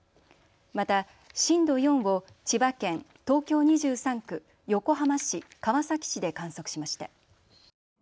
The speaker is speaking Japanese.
また震度４を千葉県、東京２３区横浜市、川崎市で観測しました。